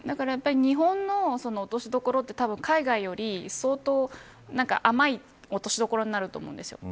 日本の落としどころってたぶん、海外より相当甘い落としどころになると思うんですよね。